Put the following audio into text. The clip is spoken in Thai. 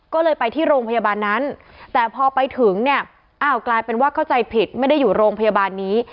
ก็เลยไปที่โรงพยาบาลนั้นแต่พอไปถึงเนี่ยอ้าวกลายเป็นว่าเข้าใจผิดไม่ได้อยู่โรงพยาบาลนี้